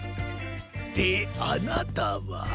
であなたは？